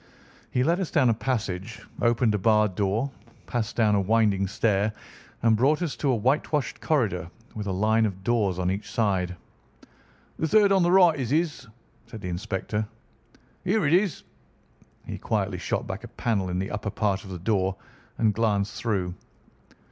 He led us down a passage, opened a barred door, passed down a winding stair, and brought us to a whitewashed corridor with a line of doors on each side. "The third on the right is his," said the inspector. "Here it is!" He quietly shot back a panel in the upper part of the door and glanced through.